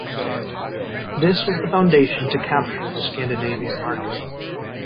This was the foundation to capture the Scandinavian market.